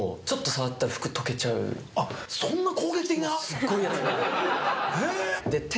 すっごいやつが。